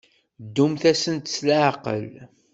Ddumt-asent s leɛqel.